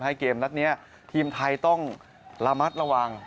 เกมนัดนี้ทีมไทยต้องระมัดระวัง